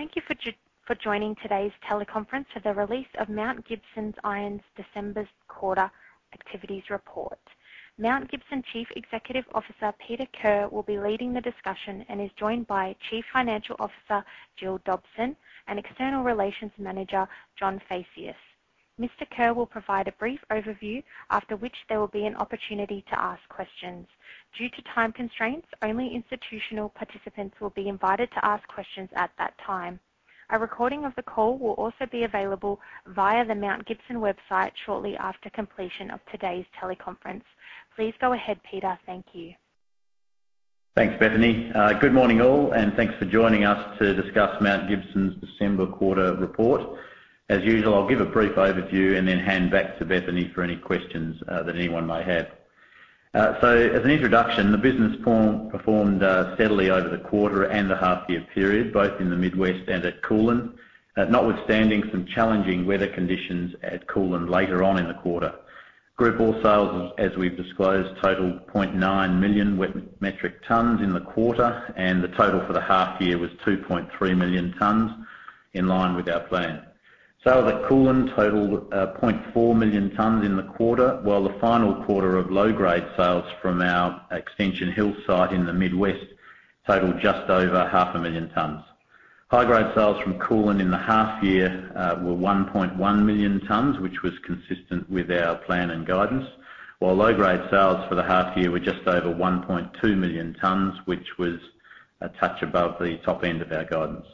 Thank you for joining today's teleconference for the release of Mount Gibson Iron's December quarter activities report. Mount Gibson Chief Executive Officer, Peter Kerr, will be leading the discussion and is joined by Chief Financial Officer, Gill Dobson, and External Relations Manager, John Phaceas. Mr. Kerr will provide a brief overview, after which there will be an opportunity to ask questions. Due to time constraints, only institutional participants will be invited to ask questions at that time. A recording of the call will also be available via the Mount Gibson website shortly after completion of today's teleconference. Please go ahead, Peter. Thank you. Thanks, Bethany. Good morning, all, and thanks for joining us to discuss Mount Gibson's December quarter report. As usual, I'll give a brief overview and then hand back to Bethany for any questions that anyone may have. As an introduction, the business performed steadily over the quarter and the half year period, both in the Mid West and at Koolan. Notwithstanding some challenging weather conditions at Koolan later on in the quarter. Group ore sales, as we've disclosed, totaled 0.9 million metric tons in the quarter, and the total for the half year was 2.3 million tons, in line with our plan. Sales at Koolan totaled 0.4 million tons in the quarter, while the final quarter of low-grade sales from our Extension Hill site in the Mid West totaled just over 0.5 million tons. High-grade sales from Koolan in the half year were 1.1 million tons, which was consistent with our plan and guidance. While low-grade sales for the half year were just over 1.2 million tons, which was a touch above the top end of our guidance.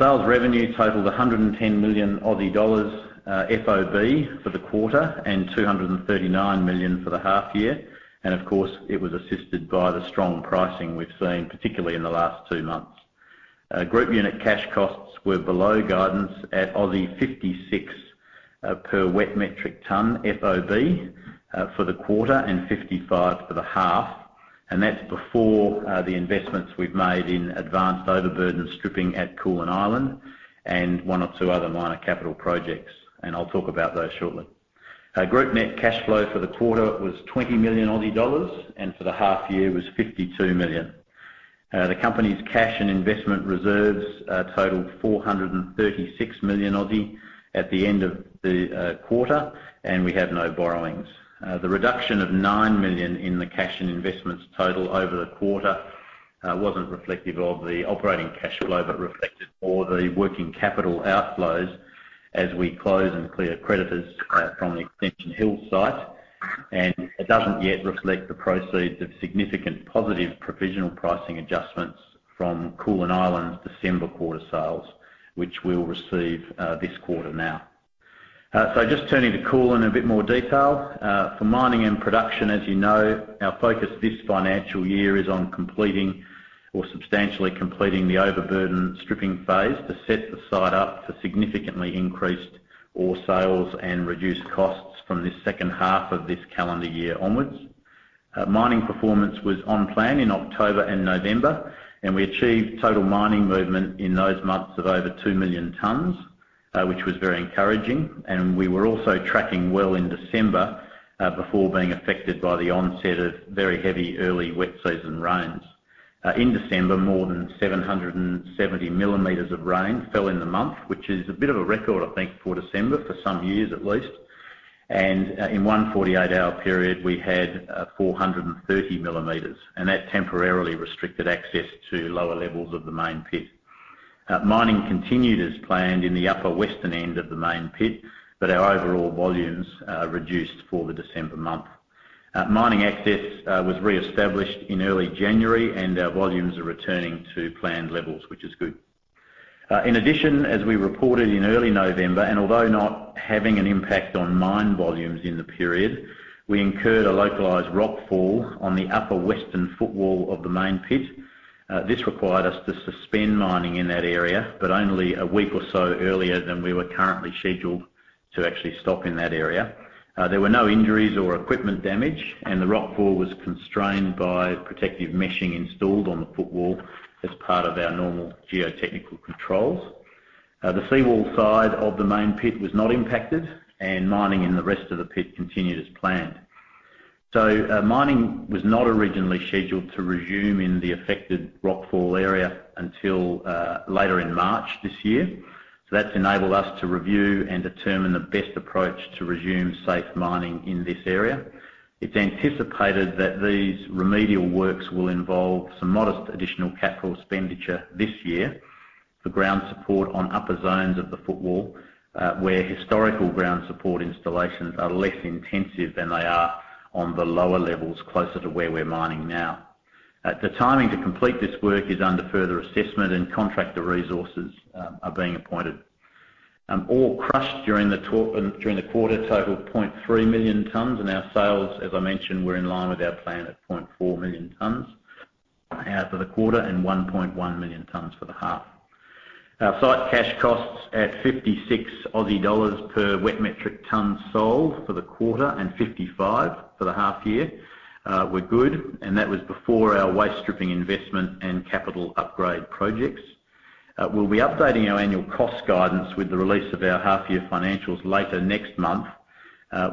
Sales revenue totaled 110 million Aussie dollars FOB for the quarter and 239 million for the half year. Of course, it was assisted by the strong pricing we've seen, particularly in the last two months. Group unit cash costs were below guidance at 56 per wet metric ton FOB for the quarter and 55 for the half. That's before the investments we've made in advanced overburden stripping at Koolan Island and one or two other minor capital projects, and I'll talk about those shortly. Group net cash flow for the quarter was 20 million Aussie dollars, for the half year was 52 million. The company's cash and investment reserves totaled 436 million at the end of the quarter, we have no borrowings. The reduction of 9 million in the cash and investments total over the quarter wasn't reflective of the operating cash flow, reflective for the working capital outflows as we close and clear creditors from the Extension Hill site. It doesn't yet reflect the proceeds of significant positive provisional pricing adjustments from Koolan Island's December quarter sales, which we'll receive this quarter now. Just turning to Koolan in a bit more detail. For mining and production, as you know, our focus this financial year is on completing or substantially completing the overburden stripping phase to set the site up for significantly increased ore sales and reduced costs from this second half of this calendar year onwards. Mining performance was on plan in October and November, and we achieved total mining movement in those months of over two million tons, which was very encouraging. We were also tracking well in December before being affected by the onset of very heavy early wet season rains. In December, more than 770 mm of rain fell in the month, which is a bit of a record, I think, for December, for some years at least. In one 48-hour period, we had 430 mm, and that temporarily restricted access to lower levels of the main pit. Mining continued as planned in the upper western end of the main pit, but our overall volumes reduced for the December month. Mining access was reestablished in early January, and our volumes are returning to planned levels, which is good. In addition, as we reported in early November, and although not having an impact on mine volumes in the period, we incurred a localized rock fall on the upper western footwall of the main pit. This required us to suspend mining in that area, but only a week or so earlier than we were currently scheduled to actually stop in that area. There were no injuries or equipment damage, and the rock fall was constrained by protective meshing installed on the footwall as part of our normal geotechnical controls. The seawall side of the main pit was not impacted, and mining in the rest of the pit continued as planned. Mining was not originally scheduled to resume in the affected rock fall area until later in March this year. That's enabled us to review and determine the best approach to resume safe mining in this area. It's anticipated that these remedial works will involve some modest additional capital expenditure this year for ground support on upper zones of the footwall where historical ground support installations are less intensive than they are on the lower levels closer to where we're mining now. The timing to complete this work is under further assessment and contractor resources are being appointed. Ore crushed during the quarter totaled 0.3 million tons, and our sales, as I mentioned, were in line with our plan at 0.4 million tons for the quarter and 1.1 million tons for the half. Our site cash costs at 56 Aussie dollars per wet metric ton sold for the quarter and 55 for the half year were good. That was before our waste stripping investment and capital upgrade projects. We'll be updating our annual cost guidance with the release of our half year financials later next month,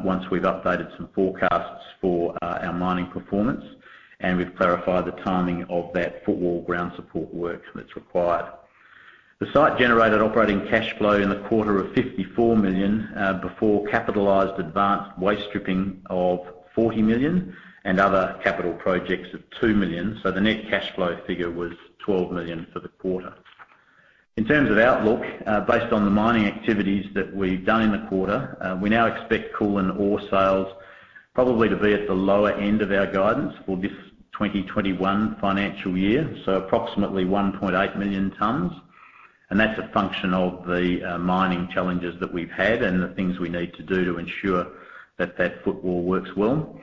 once we've updated some forecasts for our mining performance. We've clarified the timing of that footwall ground support work that's required. The site generated operating cash flow in the quarter of 54 million, before capitalized advanced waste stripping of 40 million and other capital projects of 2 million. The net cash flow figure was 12 million for the quarter. In terms of outlook, based on the mining activities that we've done in the quarter, we now expect Koolan ore sales probably to be at the lower end of our guidance for this 2021 financial year. Approximately 1.8 million tons. That's a function of the mining challenges that we've had and the things we need to do to ensure that that footwall works well.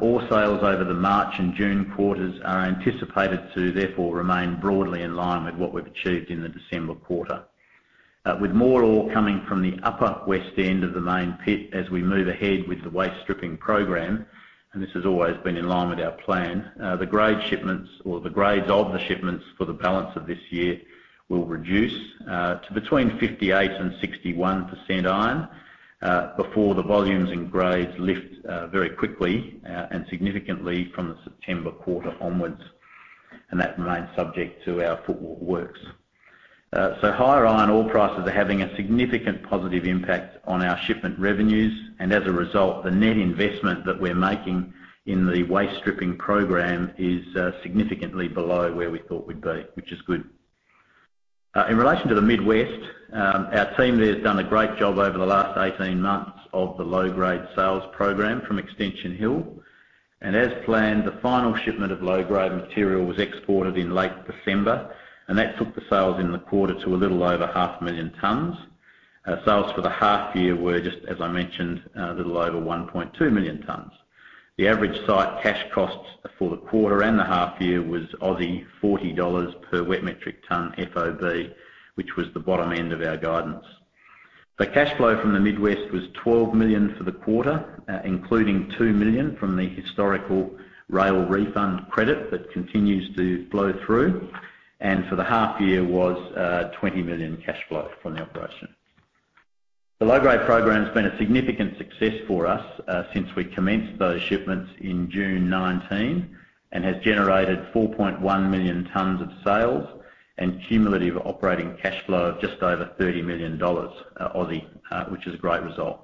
Ore sales over the March and June quarters are anticipated to therefore remain broadly in line with what we've achieved in the December quarter. With more ore coming from the upper west end of the main pit as we move ahead with the waste stripping program, and this has always been in line with our plan, the grade shipments or the grades of the shipments for the balance of this year will reduce to between 58% and 61% Fe, before the volumes and grades lift very quickly and significantly from the September quarter onwards. That remains subject to our footwall works. Higher iron ore prices are having a significant positive impact on our shipment revenues. As a result, the net investment that we're making in the waste stripping program is significantly below where we thought we'd be, which is good. In relation to the Mid West, our team there has done a great job over the last 18 months of the low-grade sales program from Extension Hill. As planned, the final shipment of low-grade material was exported in late December, and that took the sales in the quarter to a little over 0.5 million tons. Sales for the half year were just, as I mentioned, a little over 1.2 million tons. The average site cash costs for the quarter and the half year was 40 Aussie dollars per wet metric ton FOB, which was the bottom end of our guidance. The cash flow from the Mid West was 12 million for the quarter, including 2 million from the historical rail refund credit that continues to flow through. For the half year was 20 million cash flow from the operation. The low-grade program has been a significant success for us since we commenced those shipments in June 2019 and has generated 4.1 million tons of sales and cumulative operating cash flow of just over 30 million Aussie dollars, which is a great result.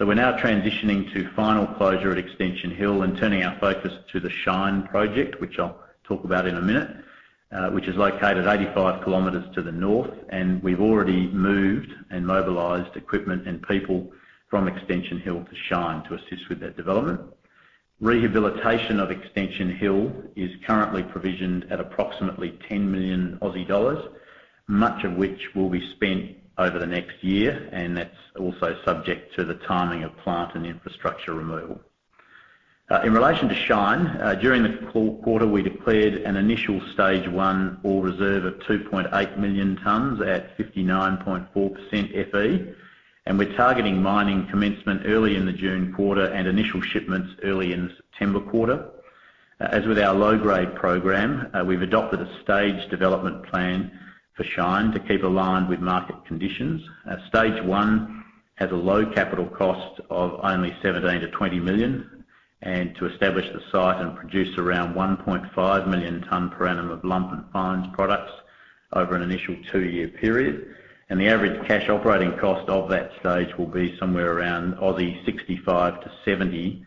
We're now transitioning to final closure at Extension Hill and turning our focus to the Shine project, which I'll talk about in a minute, which is located 85 km to the north, and we've already moved and mobilized equipment and people from Extension Hill to Shine to assist with that development. Rehabilitation of Extension Hill is currently provisioned at approximately 10 million Aussie dollars, much of which will be spent over the next year. That's also subject to the timing of plant and infrastructure removal. In relation to Shine, during the quarter, we declared an initial Stage 1 ore reserve of 2.8 million tons at 59.4% Fe. We're targeting mining commencement early in the June quarter and initial shipments early in the September quarter. As with our low-grade program, we've adopted a stage development plan for Shine to keep aligned with market conditions. Stage 1 has a low capital cost of only 17 million-20 million. To establish the site and produce around 1.5 million ton per annum of lump and fines products over an initial two-year period. The average cash operating cost of that stage will be somewhere around 65-70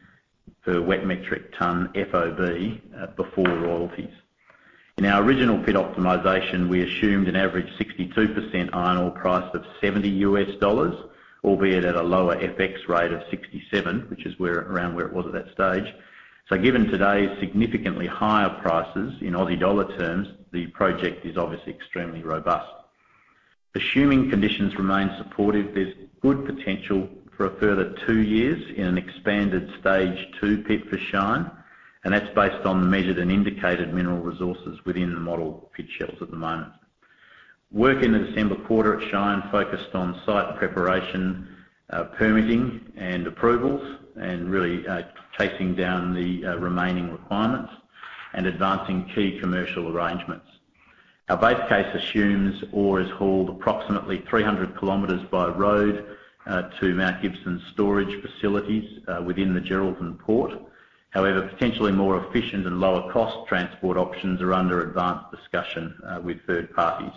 per wet metric ton FOB before royalties. In our original pit optimization, we assumed an average 62% iron ore price of $70, albeit at a lower FX rate of $67, which is around where it was at that stage. Given today's significantly higher prices in AUD terms, the project is obviously extremely robust. Assuming conditions remain supportive, there's good potential for a further two years in an expanded Stage 2 pit for Shine, and that's based on measured and indicated mineral resources within the model pit shells at the moment. Work in the December quarter at Shine focused on site preparation, permitting and approvals, and really chasing down the remaining requirements and advancing key commercial arrangements. Our base case assumes ore is hauled approximately 300 km by road to Mount Gibson's storage facilities within the Geraldton port. However, potentially more efficient and lower cost transport options are under advanced discussion with third parties,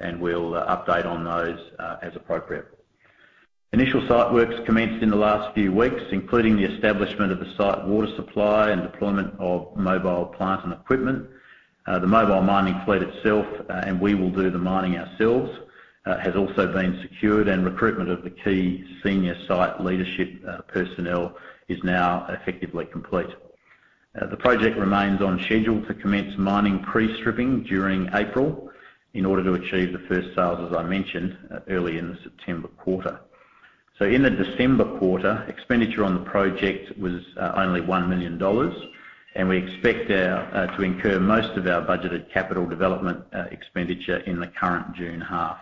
and we'll update on those as appropriate. Initial site works commenced in the last few weeks, including the establishment of the site water supply and deployment of mobile plant and equipment. The mobile mining fleet itself, and we will do the mining ourselves, has also been secured and recruitment of the key senior site leadership personnel is now effectively complete. The project remains on schedule to commence mining pre-stripping during April in order to achieve the first sales, as I mentioned, early in the September quarter. In the December quarter, expenditure on the project was only 1 million dollars and we expect to incur most of our budgeted capital development expenditure in the current June half.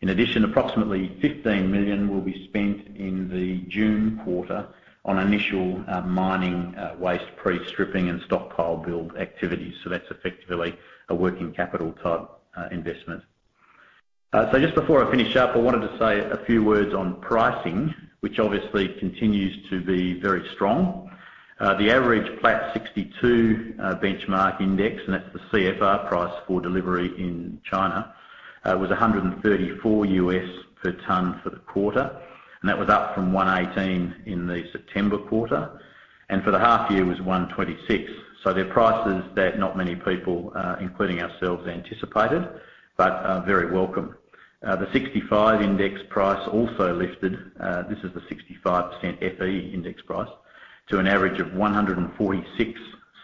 In addition, approximately 15 million will be spent in the June quarter on initial mining waste pre-stripping and stockpile build activities. That's effectively a working capital type investment. Just before I finish up, I wanted to say a few words on pricing, which obviously continues to be very strong. The average flat 62% Fe benchmark index, and that's the CFR price for delivery in China, was $134 per ton for the quarter. That was up from $118 in the September quarter. For the half year was $126. They're prices that not many people, including ourselves, anticipated, but very welcome. The 65% Fe index price also lifted. This is the 65% Fe index price, to an average of $146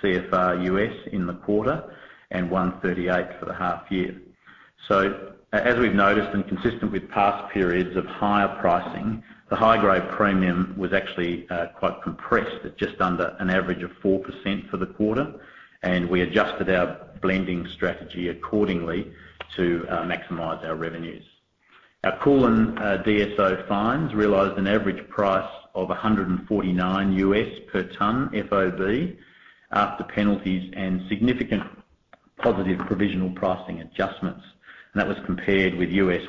CFR U.S. in the quarter and $138 for the half year. As we've noticed and consistent with past periods of higher pricing, the high-grade premium was actually quite compressed at just under an average of 4% for the quarter, and we adjusted our blending strategy accordingly to maximize our revenues. Our Koolan DSO fines realized an average price of $149 U.S. per ton FOB after penalties and significant positive provisional pricing adjustments. That was compared with $104 U.S.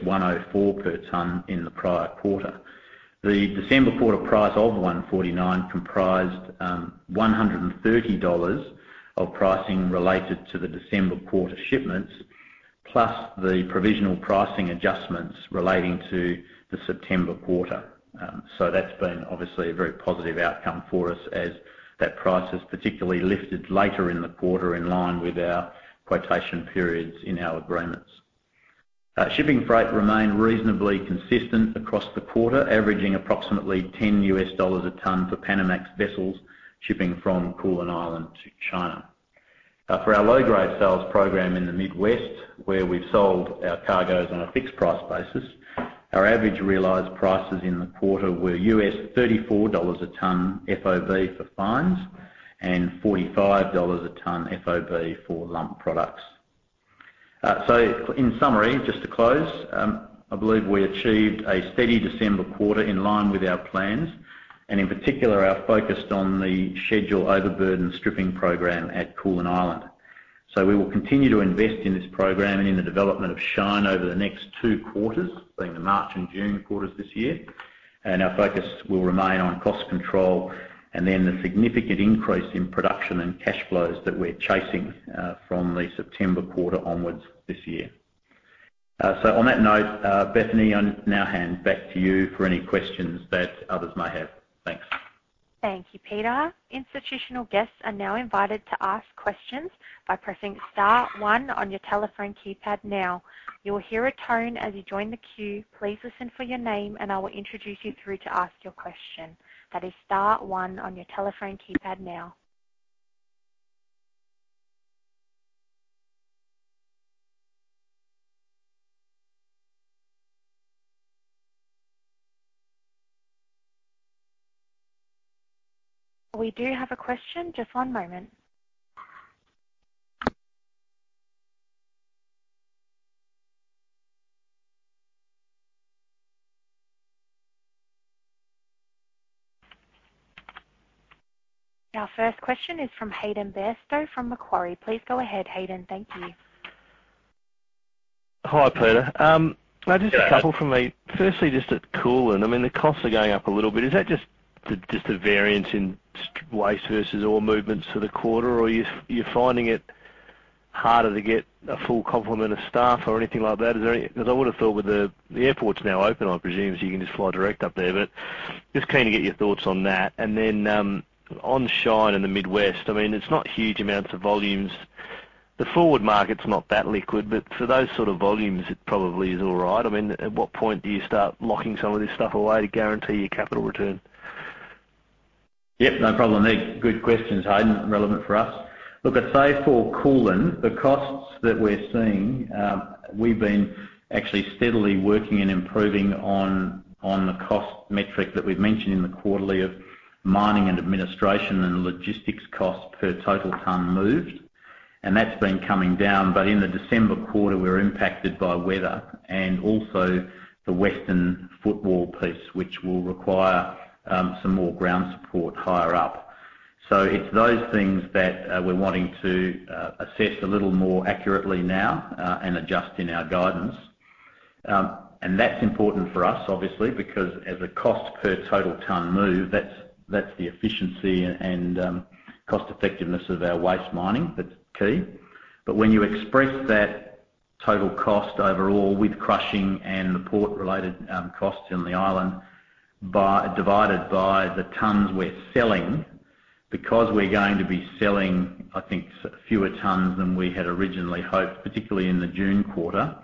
per ton in the prior quarter. The December quarter price of $149 comprised $130 of pricing related to the December quarter shipments, plus the provisional pricing adjustments relating to the September quarter. That's been obviously a very positive outcome for us as that price has particularly lifted later in the quarter in line with our quotation periods in our agreements. Shipping freight remained reasonably consistent across the quarter, averaging approximately $10 a ton for Panamax vessels shipping from Koolan Island to China. For our low-grade sales program in the Mid West, where we've sold our cargoes on a fixed price basis, our average realized prices in the quarter were $34 a ton FOB for fines and $45 a ton FOB for lump products. In summary, just to close, I believe we achieved a steady December quarter in line with our plans. In particular, our focus on the schedule overburden stripping program at Koolan Island. We will continue to invest in this program and in the development of Shine over the next two quarters, being the March and June quarters this year. Our focus will remain on cost control and then the significant increase in production and cash flows that we're chasing from the September quarter onwards this year. On that note, Bethany, I now hand back to you for any questions that others may have. Thanks. Thank you, Peter. Institutional guests are now invited to ask questions by pressing star one on your telephone keypad now. You will hear a tone as you join the queue. Please listen for your name, and I will introduce you through to ask your question. That is star one on your telephone keypad now. We do have a question. Just one moment. Our first question is from Hayden Bairstow from Macquarie. Please go ahead, Hayden. Thank you. Hi, Peter. Just a couple from me. Firstly, just at Koolan, the costs are going up a little bit. Is that just the variance in waste versus ore movements for the quarter, or you're finding it harder to get a full complement of staff or anything like that? I would have thought with the airport's now open, I presume so you can just fly direct up there. Just keen to get your thoughts on that. On Shine in the Mid West, it's not huge amounts of volumes. The forward market's not that liquid, but for those sort of volumes, it probably is all right. At what point do you start locking some of this stuff away to guarantee your capital return? Yep, no problem, mate. Good questions, Hayden. Relevant for us. Look, I'd say for Koolan, the costs that we're seeing, we've been actually steadily working and improving on the cost metric that we've mentioned in the quarterly of mining and administration and logistics cost per total ton moved. That's been coming down. In the December quarter, we were impacted by weather and also the western footwall piece, which will require some more ground support higher up. It's those things that we're wanting to assess a little more accurately now and adjust in our guidance. That's important for us, obviously, because as a cost per total ton move, that's the efficiency and cost effectiveness of our waste mining that's key. When you express that total cost overall with crushing and the port-related costs in the Island divided by the tons we're selling, because we're going to be selling, I think, fewer tons than we had originally hoped, particularly in the June quarter,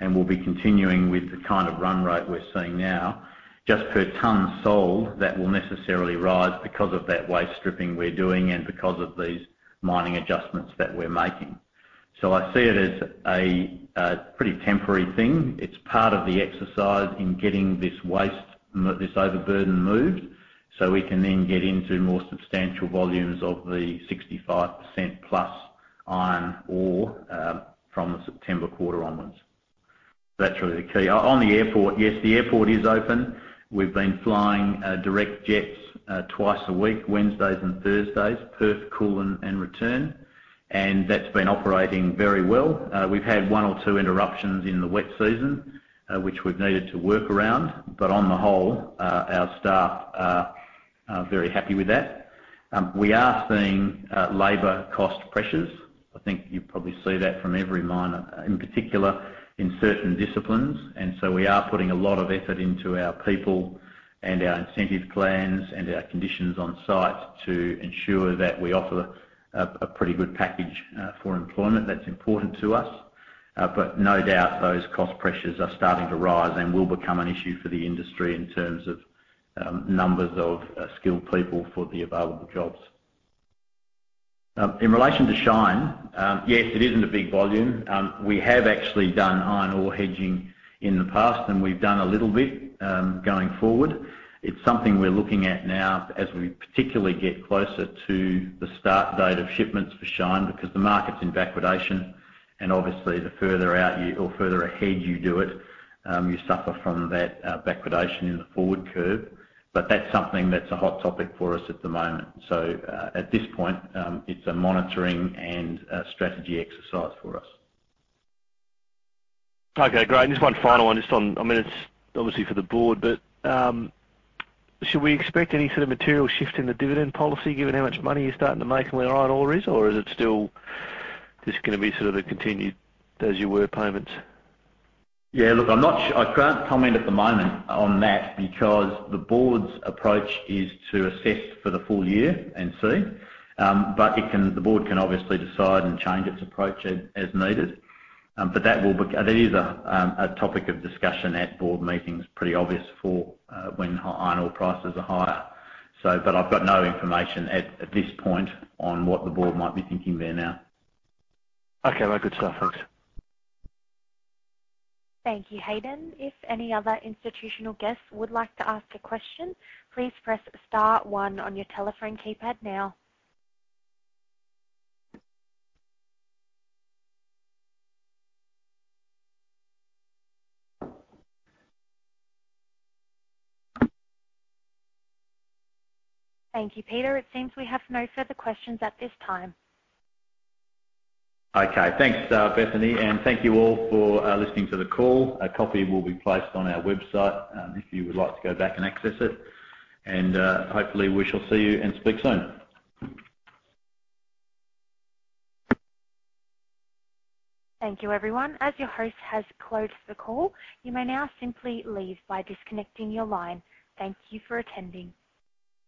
and we'll be continuing with the kind of run rate we're seeing now, just per ton sold, that will necessarily rise because of that waste stripping we're doing and because of these mining adjustments that we're making. I see it as a pretty temporary thing. It's part of the exercise in getting this waste, this overburden moved so we can then get into more substantial volumes of the 65% plus iron ore from the September quarter onwards. That's really the key. On the airport, yes, the airport is open. We've been flying direct jets twice a week, Wednesdays and Thursdays, Perth, Koolan and return. That's been operating very well. We've had one or two interruptions in the wet season, which we've needed to work around. On the whole, our staff are very happy with that. We are seeing labor cost pressures. I think you probably see that from every miner, in particular in certain disciplines. We are putting a lot of effort into our people and our incentive plans and our conditions on site to ensure that we offer a pretty good package for employment. That's important to us. No doubt, those cost pressures are starting to rise and will become an issue for the industry in terms of numbers of skilled people for the available jobs. In relation to Shine, yes, it isn't a big volume. We have actually done iron ore hedging in the past, and we've done a little bit, going forward. It's something we're looking at now as we particularly get closer to the start date of shipments for Shine, because the market's in backwardation, and obviously the further out you or further ahead you do it, you suffer from that backwardation in the forward curve. That's something that's a hot topic for us at the moment. At this point, it's a monitoring and strategy exercise for us. Okay, great. Just one final one. It's obviously for the Board. Should we expect any sort of material shift in the dividend policy, given how much money you're starting to make and where iron ore is? Is it still just going to be sort of a continued, as you were, payments? Yeah. Look, I can't comment at the moment on that because the Board's approach is to assess for the full year and see. The Board can obviously decide and change its approach as needed. That is a topic of discussion at board meetings, pretty obvious for when iron ore prices are higher. I've got no information at this point on what the Board might be thinking there now. Okay. Well, good stuff. Thanks. Thank you, Hayden. If any other institutional guests would like to ask a question, please press star one on your telephone keypad now. Thank you, Peter. It seems we have no further questions at this time. Okay. Thanks, Bethany, and thank you all for listening to the call. A copy will be placed on our website if you would like to go back and access it. Hopefully, we shall see you and speak soon. Thank you, everyone. As your host has closed the call, you may now simply leave by disconnecting your line. Thank you for attending.